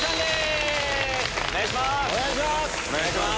お願いします！